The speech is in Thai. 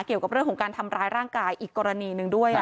เกี่ยวกับเรื่องของการทำร้ายร่างกายอีกกรณีหนึ่งด้วย